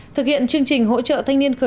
thực hiện chương trình hỗ trợ thanh niên khởi